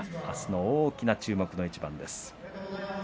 あすの大きな注目の一番です。